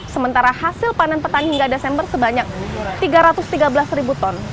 sementara hasil panen petani hingga desember sebanyak tiga ratus tiga belas ribu ton